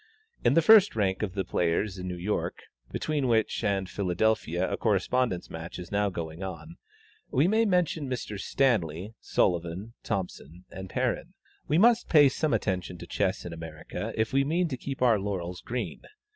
In the first rank of the players in New York (between which and Philadelphia a correspondence match is now going on) we may mention Messrs. Stanley, Sullivan, Thompson, and Perrin. We must pay some attention to chess in America if we mean to keep our laurels green.